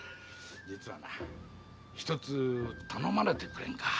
実はひとつ頼まれてくれんか？